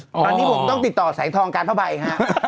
อ๋ออันนี้ผมต้องติดต่อแสงทองการพระบัยค่ะ